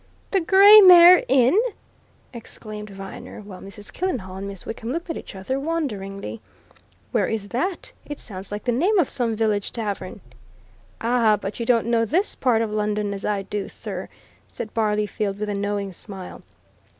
"The Grey Mare Inn!" exclaimed Viner, while Mrs. Killenhall and Miss Wickham looked at each other wonderingly. "Where is that? It sounds like the name of some village tavern." "Ah, but you don't know this part of London as I do, sir!" said Barleyfield, with a knowing smile.